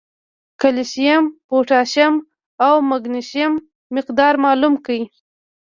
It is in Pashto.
کېلشیم ، پوټاشیم او مېګنيشم مقدار معلوم کړي